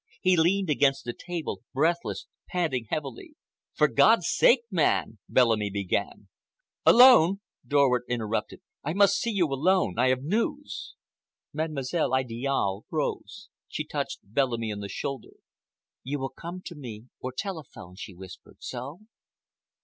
He leaned against the table, breathless, panting heavily. "For God's sake, man," Bellamy began,— "Alone!" Dorward interrupted. "I must see you alone! I have news!" Mademoiselle Idiale rose. She touched Bellamy on the shoulder. "You will come to me, or telephone," she whispered. "So?"